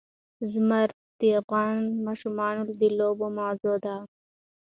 زمرد د افغان ماشومانو د لوبو موضوع ده.